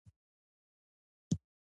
زړه د صادقو خلکو سره ځان خوندي احساسوي.